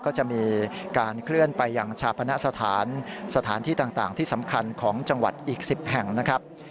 ก็จะมีการเคลื่อนไปอย่างชาปณสถานสถานที่ต่างที่สำคัญของจังหวัดอีก๑๐แห่งนะครับ